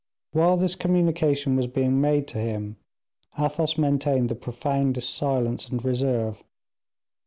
While this communication was being made to him, Athos maintained the profoundest silence and reserve.